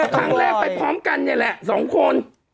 ครั้งแรกไปพร้อมกันเนี่ยแหละ๒คน